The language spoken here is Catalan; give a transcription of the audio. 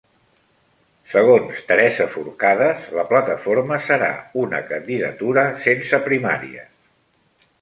Segons Teresa Forcades, la plataforma serà una candidatura sense primàries.